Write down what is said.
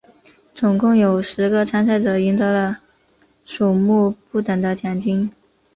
总共有十个参赛者赢得了数目不等的奖金。